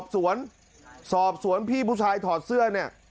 ศพสวนพี่ผู้ชายถอดเสื้อเนี่ย